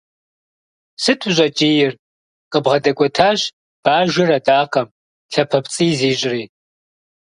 Сыт ущӏэкӏийр?- къыбгъэдэкӏуэтащ бажэр адакъэм, лъапэпцӏий зищӏри.